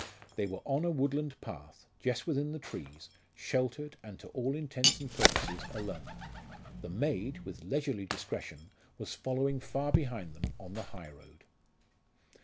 They were on a woodland path, just within the trees, sheltered, and to all intents and purposes alone. The maid, with leisurely discretion, was following far behind them on the high road.